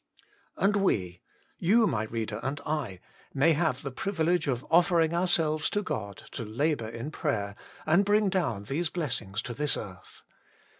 And we you, my reader, and I may have the privilege of offering ourselves to God to labour in prayer, and bring down these blessings to this earth.